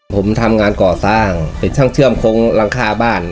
ผมทำงานก่อสร้างเป็นช่างเชื่อมโค้งหลังคาบ้าน